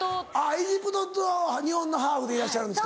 エジプトと日本のハーフでいらっしゃるんですか。